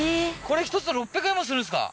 これ１つ６００円もするんですか？